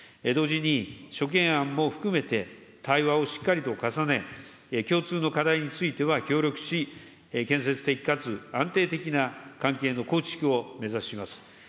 同時に諸懸案も含めて、対話をしっかりと重ね、共通の課題については協力し、建設的かつ安定的な関係の構築を目指します。